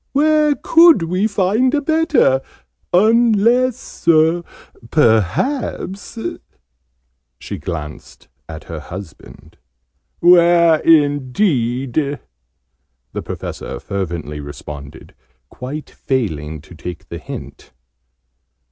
"Where could we find a better? Unless, perhaps " she glanced at her husband. "Where indeed!" the Professor fervently responded, quite failing to take the hint.